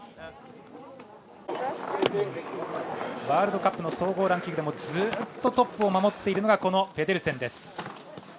ワールドカップの総合ランキングでもずっとトップを守っているのがこのペデルセン。